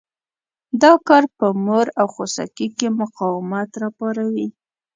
دا کار په مور او خوسکي کې مقاومت را پاروي.